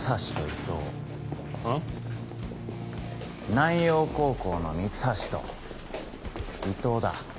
軟葉高校の三橋と伊藤だ。